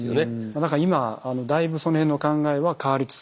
だから今だいぶその辺の考えは変わりつつあると思います。